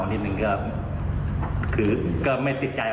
สวัสดีครับคุณผู้ชาย